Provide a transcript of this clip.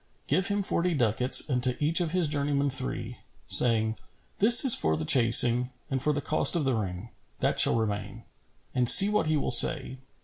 Give him forty ducats and to each of his journeymen three, saying, "This is for the chasing, and for the cost of the ring, that shall remain.' And see what he will say.